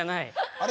あれ？